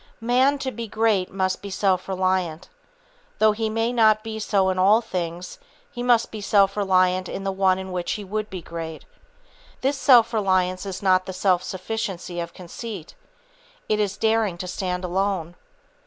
Man to be great must be self reliant. Though he may not be so in all things, he must be self reliant in the one in which he would be great. This self reliance is not the self sufficiency of conceit. It is daring to stand alone.